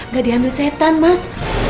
gak diambil setan mas